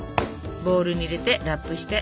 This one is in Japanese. ボウルに入れてラップして。